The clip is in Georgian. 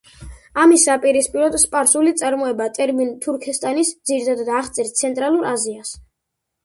ამის საპირისპიროდ, სპარსული წარმოება ტერმინ „თურქესტანის“, ძირითადად აღწერს ცენტრალურ აზიას.